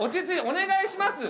「お願いします」。